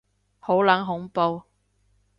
好撚恐怖